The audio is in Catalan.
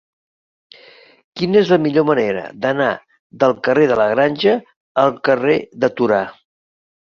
Quina és la millor manera d'anar del carrer de la Granja al carrer de Torà?